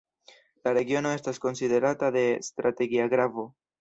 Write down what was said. La regiono estas konsiderata de strategia gravo.